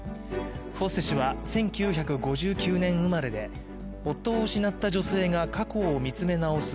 フォッセ氏は１９５９年生まれで夫を失った女性が過去を見つめ直す